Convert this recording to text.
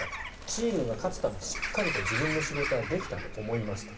チームが勝つためしっかりと自分の仕事はできたと思いますと。